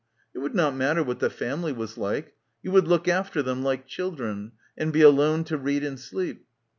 It would not matter what the family was like. You would look after them, like children, and be alone to read and sleep.